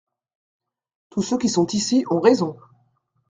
Tous ceux qui sont ici ont raison.